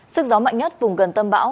sức gió mạnh nhất vùng gần tâm bão